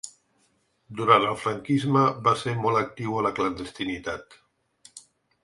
Durant el franquisme va ser molt actiu a la clandestinitat.